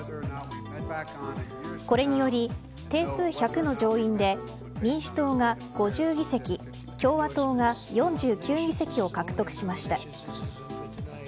これにより定数１００の上院で民主党が５０議席共和党が４９議席を獲得しました。